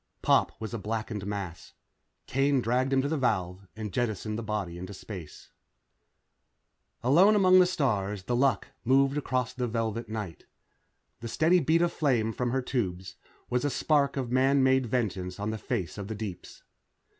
Pop was a blackened mass. Kane dragged him to the valve and jettisoned the body into space. Alone among the stars, The Luck moved across the velvet night. The steady beat of flame from her tubes was a tiny spark of man made vengeance on the face of the deeps.